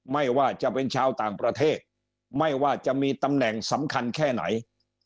ไม่ว่าจะเป็นชาวต่างประเทศไม่ว่าจะมีตำแหน่งสำคัญแค่ไหน